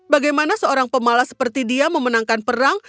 bagaimana seorang pemala seperti dia memenangkan perang